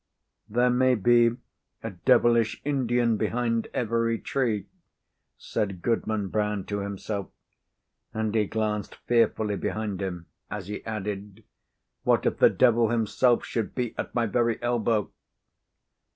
"There may be a devilish Indian behind every tree," said Goodman Brown to himself; and he glanced fearfully behind him as he added, "What if the devil himself should be at my very elbow!"